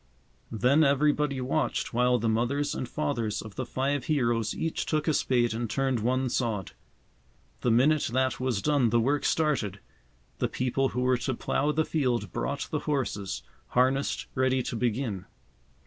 Then everybody watched while the mothers and fathers of the five heroes each took a spade and turned one sod. The minute that was done the work started. The people who were to plough the field brought the horses, harnessed ready to begin.